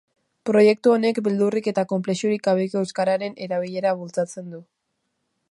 Proiektu honek beldurrik eta konplexurik gabeko euskararen erabilera bultzatzen du.